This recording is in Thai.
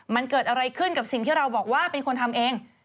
มันเกิดอะไรขึ้นกับสิ่งที่เราบอกว่าเป็นคนทำเอง